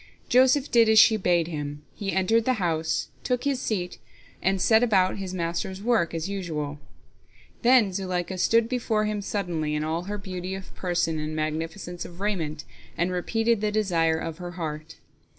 Joseph did as she bade him, he entered the house, took his seat, and set about his master's work as usual. Then Zuleika stood before him suddenly in all her beauty of person and magnificence of raiment, and repeated the desire of her heart.